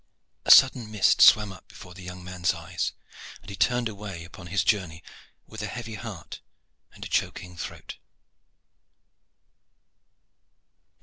A sudden mist swam up before the young man's eyes, and he turned away upon his journey with a heavy heart and a choking throat.